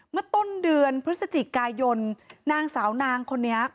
เมื่อต้นเดือนพฤศจิกายนนางสาวนางคนนี้